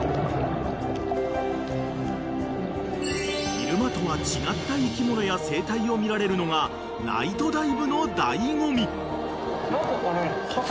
［昼間とは違った生き物や生態を見られるのがナイトダイブの醍醐味］